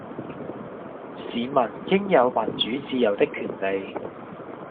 市民應有民主自由的權利